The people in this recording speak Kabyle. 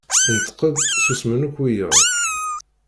Ineṭeq-d susemen akka wiyaḍ.